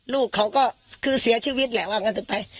ลูกเขาก็คือเสียชีวิตแหละว่างั้นเถอะไป